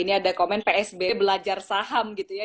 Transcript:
ini ada komen psb belajar saham gitu ya